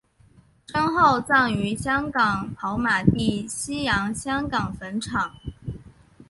身后葬于香港跑马地西洋香港坟场。